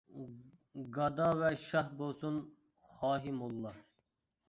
گادا ۋە شاھ بولسۇن خاھى موللا.